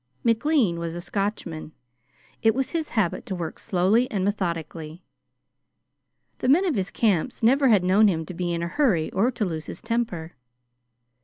McLean was a Scotchman. It was his habit to work slowly and methodically. The men of his camps never had known him to be in a hurry or to lose his temper.